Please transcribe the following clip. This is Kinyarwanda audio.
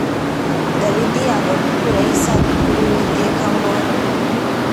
dawidi yanga gukurayo isanduku y uwiteka ngo